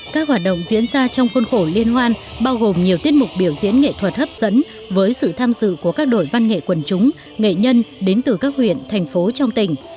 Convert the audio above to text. các hoạt động diễn ra trong khuôn khổ liên hoan bao gồm nhiều tiết mục biểu diễn nghệ thuật hấp dẫn với sự tham dự của các đội văn nghệ quần chúng nghệ nhân đến từ các huyện thành phố trong tỉnh